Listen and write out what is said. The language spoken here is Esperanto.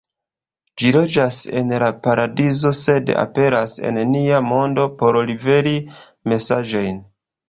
Ĝi loĝas en la paradizo sed aperas en nia mondo por liveri mesaĝojn.